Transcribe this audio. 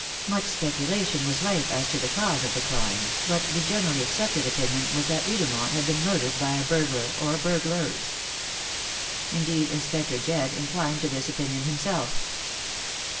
Much speculation was rife as to the cause of the crime, but the generally accepted opinion was that Edermont had been murdered by a burglar or burglars. Indeed, Inspector Jedd inclined to this opinion himself.